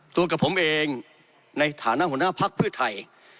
กับผมเองในฐานะหัวหน้าภักดิ์เพื่อไทย